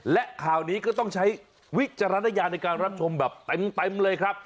และข่าวนี้ก็ต้องใช้วิจารณญาณในการรับชมแบบเต็มเลยครับ